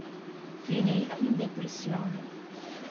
Finii in depressione.